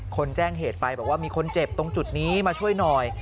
แจ้งเหตุไปบอกว่ามีคนเจ็บตรงจุดนี้มาช่วยหน่อย